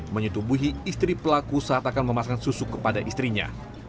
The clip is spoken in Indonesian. menyetubuhi istri pelaku saat akan memasang susu kepada istrinya